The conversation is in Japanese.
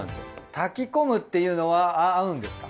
炊き込むっていうのは合うんですか？